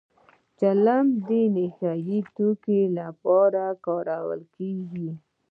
چلم د نشه يي توکو لپاره کارېږي